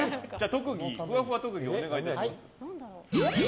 ふわふわ特技お願いします。